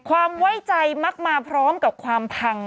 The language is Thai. ความไว้ใจมักมาพร้อมกับความพัง